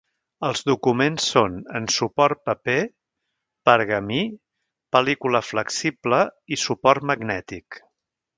Els documents són en suport paper, pergamí, pel·lícula flexible i suport magnètic.